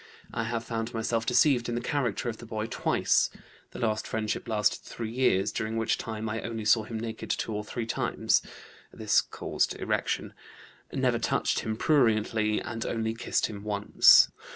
I have found myself deceived in the character of the boy twice. The last friendship lasted three years, during which time I only saw him naked two or three times (this caused erection), never touched him pruriently, and only kissed him once.